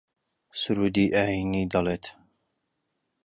سروودی ئایینی دەڵێت